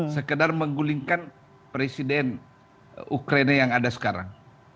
sekedar menggulingkan presiden ukraina yang ada sekarang